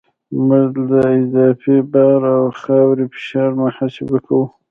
موږ د اضافي بار او خاورې فشار محاسبه کوو